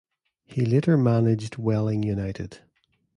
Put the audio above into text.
He later managed Welling United.